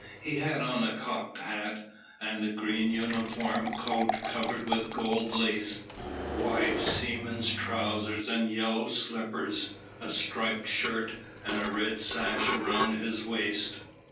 He had on a cocked hat and a green uniform coat covered with gold lace, wide seamen's trousers and yellow slippers, a striped shirt, and a red sash round his waist.